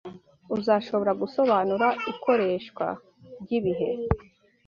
Uzashobora gusobanura ikoreshwa ryibihe